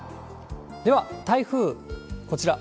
では台風、こちら。